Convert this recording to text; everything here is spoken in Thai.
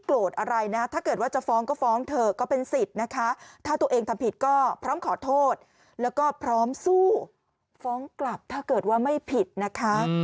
แล้วก็พร้อมสู้ฟ้องกลับถ้าเกิดว่าไม่ผิดนะคะ